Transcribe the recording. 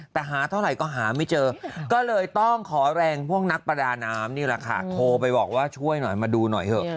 แต่หาเท่าไหร่ก็หาไม่เจอก็เลยต้องขอแรงพวกนักประดาน้ำนี่แหละค่ะโทรไปบอกว่าช่วยหน่อยมาดูหน่อยเถอะ